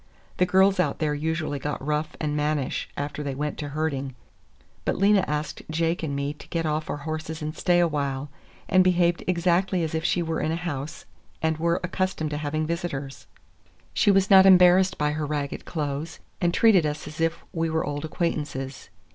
The girls out there usually got rough and mannish after they went to herding. But Lena asked Jake and me to get off our horses and stay awhile, and behaved exactly as if she were in a house and were accustomed to having visitors. She was not embarrassed by her ragged clothes, and treated us as if we were old acquaintances.